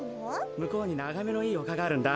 むこうにながめのいいおかがあるんだ。